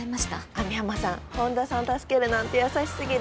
網浜さん本田さん助けるなんて優しすぎる。